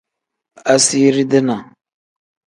Asiiri dii.